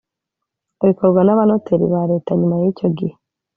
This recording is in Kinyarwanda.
bikorwa n abanoteri ba Leta Nyuma y icyo gihe